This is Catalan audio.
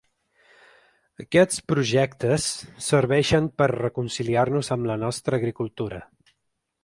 Aquests projectes serveixen per a reconciliar-nos amb la nostra agricultura.